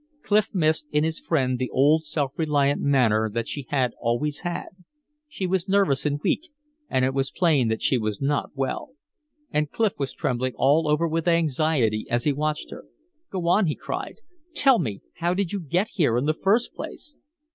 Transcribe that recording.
Clif missed in his friend the old self reliant manner that she had always had; she was nervous and weak, and it was plain that she was not well. And Clif was trembling all over with anxiety as he watched her. "Go on!" he cried. "Tell me. How did you get here, in the first place?"